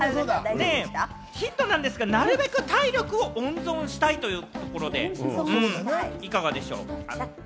ヒントですが、なるべく体力を温存したいというところで、いかがでしょう？